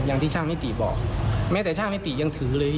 เด็กเดินไปมันก็ออกมากัน